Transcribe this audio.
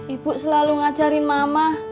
ibu selalu ngajarin mama